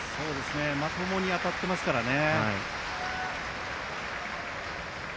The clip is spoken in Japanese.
まともに当たっていますからね。